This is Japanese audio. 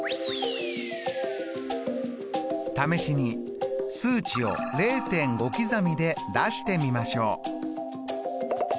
試しに数値を０．５刻みで出してみましょう。